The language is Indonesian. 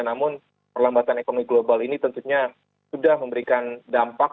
namun perlambatan ekonomi global ini tentunya sudah memberikan dampak